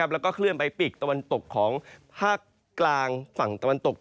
แล้วก็เคลื่อนไปปีกตะวันตกของภาคกลางฝั่งตะวันตก